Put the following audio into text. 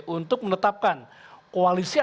untuk menetapkan koalisi x dua